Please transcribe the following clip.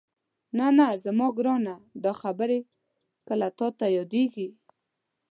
نه نه زما ګرانه دا خبرې کله تاته یادېږي؟